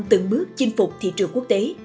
từng bước chinh phục thị trường quốc tế